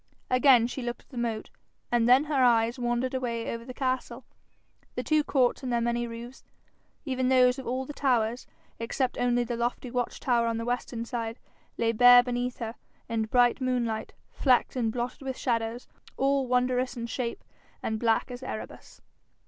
Again she looked at the moat, and then her eyes wandered away over the castle. The two courts and their many roofs, even those of all the towers, except only the lofty watch tower on the western side, lay bare beneath her, in bright moonlight, flecked and blotted with shadows, all wondrous in shape and black as Erebus.